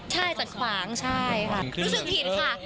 ใช่จัดขวางใช่ค่ะ